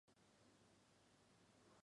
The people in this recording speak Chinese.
她还是咬著牙站起身